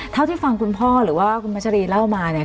เท่าที่ฟังคุณพ่อหรือว่าคุณพัชรีเล่ามาเนี่ย